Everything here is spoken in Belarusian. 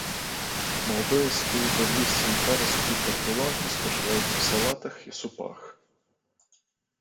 Маладое сакавітае лісце і парасткі партулаку спажываюць у салатах і супах.